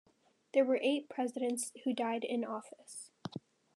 There were eight presidents who died in office.